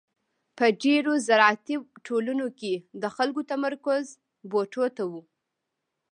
په ډېرو زراعتي ټولنو کې د خلکو تمرکز بوټو ته و.